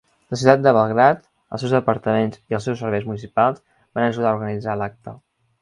La ciutat de Belgrad, els seus departaments i els seus serveis municipals van ajudar a organitzar l'acte.